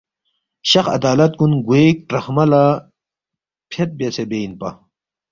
شخ عدالت کُن گوے کرَخمہ لہ فید بیاسے بے اِنپا